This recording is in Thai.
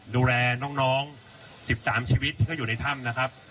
ดูแลน้องน้องสิบสามชีวิตที่ก็อยู่ในถ้ำนะครับ